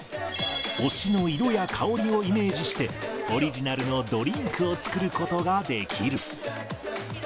推しの色や香りをイメージして、オリジナルのドリンクを作ることができる。